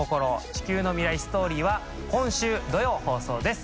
地球の未来ストーリー」は今週土曜放送です。